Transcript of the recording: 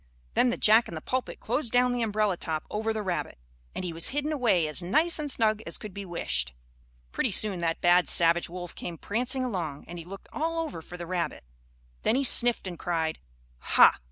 Then the Jack in the pulpit closed down the umbrella top over the rabbit, and he was hidden away as nice and snug as could be wished. Pretty soon that bad savage wolf came prancing along, and he looked all over for the rabbit. Then he sniffed and cried: "Ha!